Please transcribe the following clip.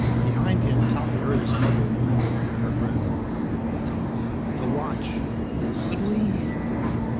Behind him, Tommy heard his mother murmur under her breath, "Tom ... the watch; could we?"